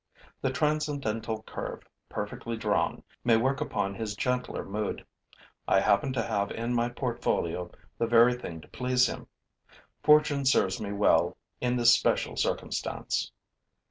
The transcendental curve, perfectly drawn, may work upon his gentler mood. I happen to have in my portfolio the very thing to please him. Fortune serves me well in this special circumstance.